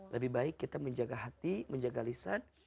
lebih baik kita menjaga hati menjaga lisan